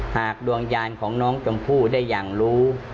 ดวงยานของน้องชมพู่ได้อย่างรู้